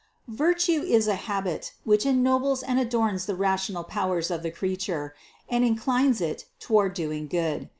Virtue is a habit, which ennobles and adorns the rational powers of the creature, and inclines it toward doing good.